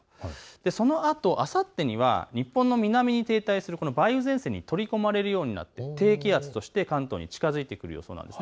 そのあと、あさってには日本の南に停滞する梅雨前線に取り込まれるような低気圧として関東に近づいてくる予想です。